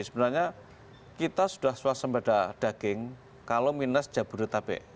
sebenarnya kita sudah swasta berada daging kalau minus jabodetabek